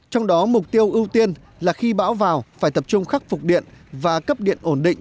trong đó mục tiêu ưu tiên là khi bão vào phải tập trung khắc phục điện và cấp điện ổn định